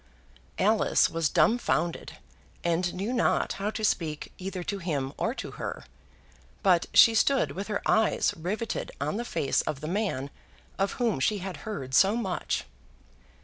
Alice was dumbfounded, and knew not how to speak either to him or to her; but she stood with her eyes riveted on the face of the man of whom she had heard so much.